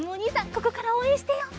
ここからおうえんしてよう。